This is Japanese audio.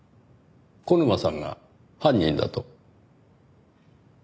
小沼さんが犯人だと？